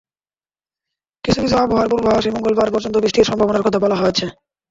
কিছু কিছু আবহাওয়ার পূর্বাভাসে মঙ্গলবার পর্যন্ত বৃষ্টির সম্ভাবনার কথা বলা হয়েছে।